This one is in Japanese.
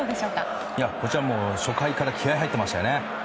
こちらも初回から気合入っていましたね。